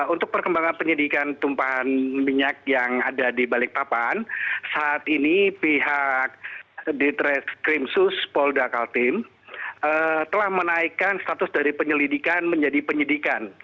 untuk perkembangan penyidikan tumpahan minyak yang ada di balikpapan saat ini pihak ditreskrimsus polda kaltim telah menaikkan status dari penyelidikan menjadi penyidikan